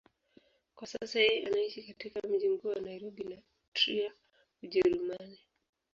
Kwa sasa yeye anaishi katika mji mkuu wa Nairobi na Trier, Ujerumani.